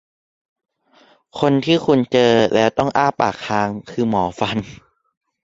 คนที่คุณเจอแล้วต้องอ้าปากค้าง คือหมอฟัน